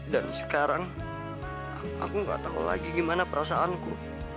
dan sekarang aku nggak tahu lagi gimana perasaanku